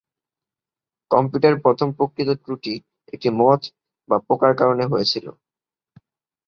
কম্পিউটারের প্রথম প্রকৃত ত্রুটি একটি মথ বা পোকার কারণে হয়েছিলো।